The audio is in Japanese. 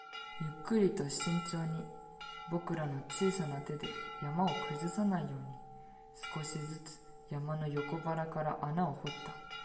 ゆっくりと慎重に、僕らの小さな手で山を崩さないように、少しずつ山の横腹から穴を掘った